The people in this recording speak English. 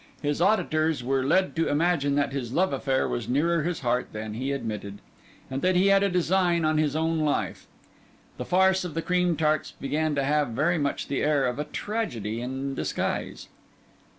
His auditors were led to imagine that his love affair was nearer his heart than he admitted, and that he had a design on his own life. The farce of the cream tarts began to have very much the air of a tragedy in disguise.